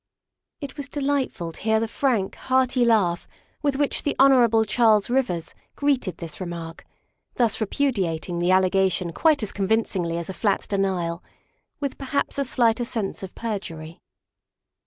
It was delightful to hear the frank, hearty laugh with which the Hon. Charles Rivers greeted this remark, thus repudiating the allegation quite as convincingly as a flat denial, with perhaps a slighter sense of perjury.